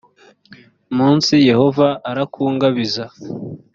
munsi yehova arakungabiza